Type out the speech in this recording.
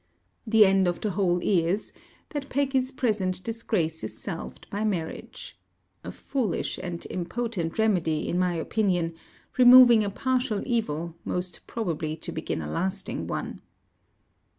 The end of the whole is, that Peggy's present disgrace is salved by marriage. A foolish and impotent remedy, in my opinion; removing a partial evil, most probably to begin a lasting one.